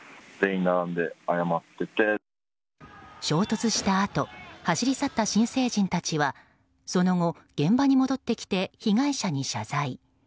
衝突したあと走り去った新成人たちはその後、現場に戻ってきて被害者に謝罪。